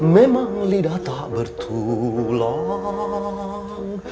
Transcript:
memang lidah tak bertulang